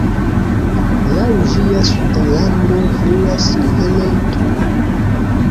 Laŭ ĝia suda rando fluas rivero Tur.